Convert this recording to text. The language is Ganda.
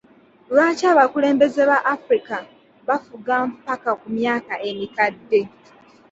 Lwaki abakulembeze ba Africa bafuga mpaka ku myaka emikadde?